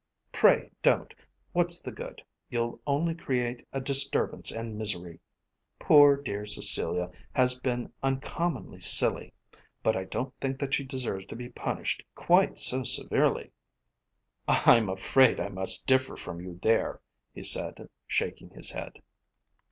"Pray don't. What's the good? You'll only create a disturbance and misery. Poor dear Cecilia has been uncommonly silly. But I don't think that she deserves to be punished quite so severely." "I'm afraid I must differ from you there," he said, shaking his head.